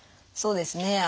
そうですね。